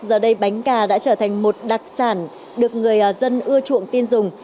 giờ đây bánh cà đã trở thành một đặc sản được người dân ưa chuộng tin dùng